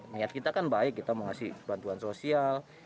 niat kita kan baik kita mau kasih bantuan sosial